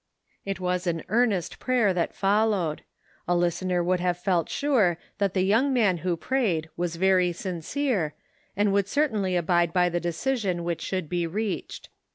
It was an earnest prayer that followed. A listener would have felt sure that the young man who prayed was very sincere and would certainly abide by the decision which should be reached.